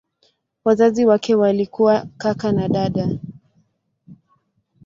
Wazazi wake walikuwa kaka na dada.